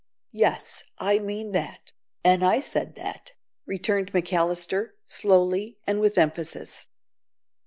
"Yes, I mean that, an' I said that," returned McAllister, slowly and with emphasis.